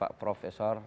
bersama pak profesor